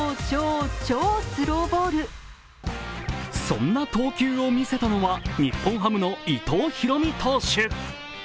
そんな投球を見せたのは、日本ハムの伊藤大海投手。